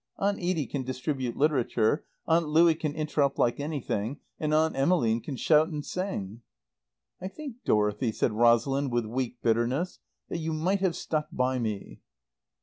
Aunt Edie can distribute literature, Aunt Louie can interrupt like anything, and Aunt Emmeline can shout and sing." "I think, Dorothy," said Rosalind with weak bitterness, "that you might have stuck by me."